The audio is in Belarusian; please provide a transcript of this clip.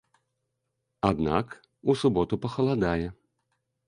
Аднак у суботу пахаладае.